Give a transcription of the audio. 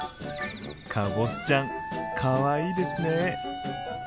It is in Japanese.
かぼすちゃんかわいいですね！